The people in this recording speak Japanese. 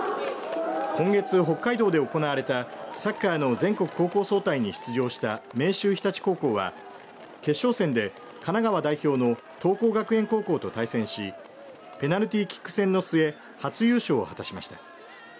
今月、北海道で行われたサッカーの全国高校総体に出場した明秀日立高校は決勝戦で神奈川代表の桐光学園高校と対戦しペナルティーキック戦の末初優勝を果たしました。